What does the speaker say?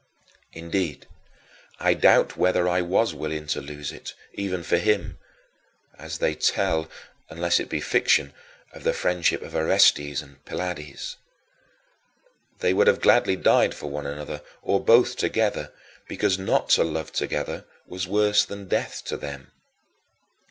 Indeed, I doubt whether I was willing to lose it, even for him as they tell (unless it be fiction) of the friendship of Orestes and Pylades; they would have gladly died for one another, or both together, because not to love together was worse than death to them.